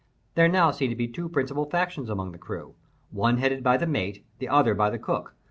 There now seemed to be two principal factions among the crew—one headed by the mate, the other by the cook.